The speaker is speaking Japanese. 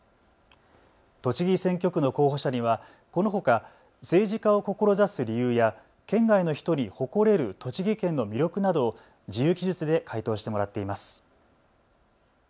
栃木選挙区の候補者にはこのほか政治家を志す理由や県外の人に誇れる栃木県の魅力など自由記述で回答してもらってます。